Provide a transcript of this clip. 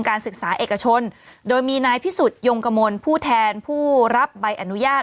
การศึกษาเอกชนโดยมีนายพิสุทธิยงกมลผู้แทนผู้รับใบอนุญาต